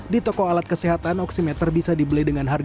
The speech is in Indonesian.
di toko alat kesehatan oksimeter bisa dibeli dengan harga